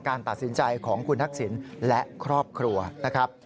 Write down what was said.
การตัดสินใจของคุณทักษิณและครอบครัวนะครับ